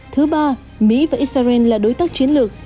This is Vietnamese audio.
thứ ba mỹ và israel là đối tác chiến lược